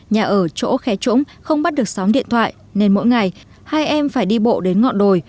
nhà ở chỗ khe trũng không bắt được sóng điện thoại nên mỗi ngày hai em phải đi bộ đến ngọn đồi